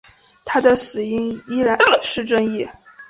但是他的死因依然是争议。